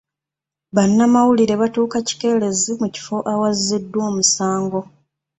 Bannamawulire baatuuka kikeerezi mu kifo awazziddwa omusango.